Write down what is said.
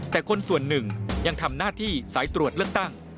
แต่คนส่วนหนึ่งยังทำหน้าที่สายตรวจเลือกตั้ง